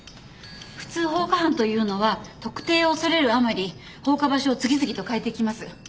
普通放火犯というのは特定を恐れるあまり放火場所を次々と変えていきます。